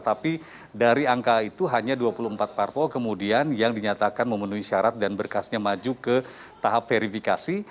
tapi dari angka itu hanya dua puluh empat parpol kemudian yang dinyatakan memenuhi syarat dan berkasnya maju ke tahap verifikasi